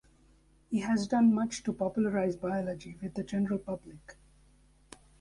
He has done much to popularise biology with the general public.